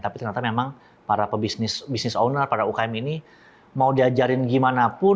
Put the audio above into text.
tapi ternyata memang para pebisnis bisnis owner para ukm ini mau diajarin gimana pun